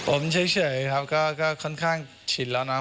ผมเฉยครับก็ค่อนข้างชินแล้วเนาะ